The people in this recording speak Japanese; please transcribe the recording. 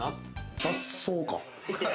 雑草か。